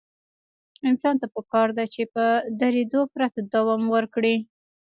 انسان ته پکار ده چې په درېدو پرته دوام ورکړي.